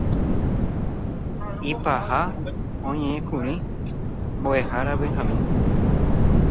Ipahápe oñe'ẽkuri mbo'ehára Benjamín